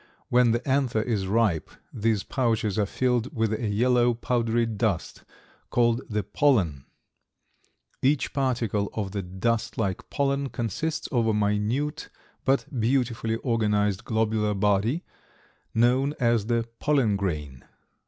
When the anther is ripe these pouches are filled with a yellow, powdery dust called the pollen. Each particle of this dust like pollen consists of a minute, but beautifully organized globular body, known as the pollen grain.